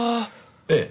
ええ。